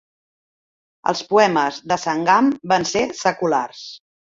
Els poemes de Sangam van ser seculars.